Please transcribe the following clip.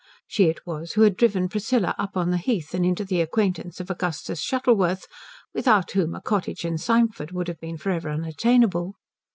She it was who had driven Priscilla up on to the heath and into the acquaintance of Augustus Shuttleworth, without whom a cottage in Symford would have been for ever unattainable.